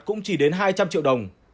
cũng chỉ đến hai trăm linh triệu đồng